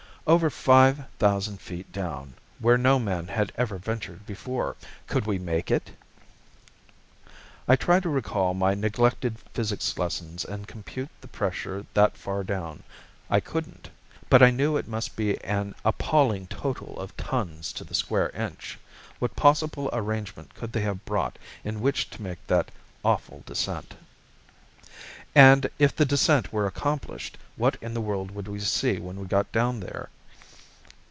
Over five thousand feet down where no man had ever ventured before! Could we make it? I tried to recall my neglected physics lessons and compute the pressure that far down. I couldn't. But I knew it must be an appalling total of tons to the square inch. What possible arrangement could they have brought in which to make that awful descent? And, if the descent were accomplished, what in the world would we see when we got down there?